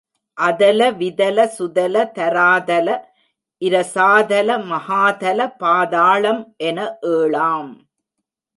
அதல, விதல, சுதல, தராதல, இரசாதல, மகாதல, பாதாளம் என ஏழாம்!